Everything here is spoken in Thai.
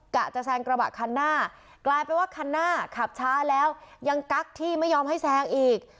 กะจะแซงกระบะคันหน้ากลายเป็นว่าคันหน้าขับช้าแล้วยังกั๊กที่ไม่ยอมให้แซงอีก